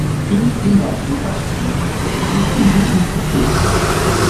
Dies sind aber die Fakten, und wir müssen sie untersuchen.